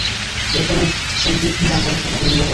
Lieutenant Sanjib জামওয়ালের সাথে পরিচিত হও।